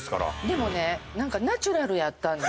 でもねなんかナチュラルやったんで。